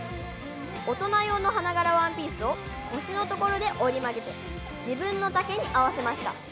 オトナ用の花柄ワンピースを腰のところで折り曲げて自分の丈に合わせました」。